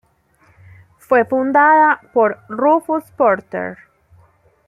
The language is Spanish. Fue fundada por Rufus Porter.